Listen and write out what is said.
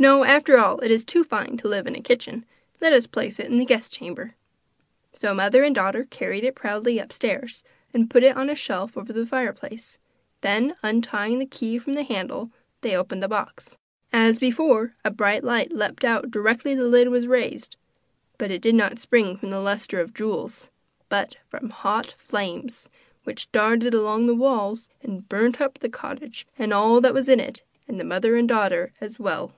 'No, after all it is to fine to live in a kitchen, let us place it in the guest chamber.' So mother and daughter carried it proudly upstairs and put it on a shelf over the fireplace; then, untying the key from the handle, they opened the box. As before, a bright light leapt out directly the lid was raised, but it did not spring from the lustre of jewels, but from hot flames, which darted along the walls and burnt up the cottage and all that was in it and the mother and daughter as well.